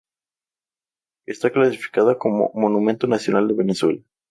Está clasificada como Monumento Nacional de Venezuela.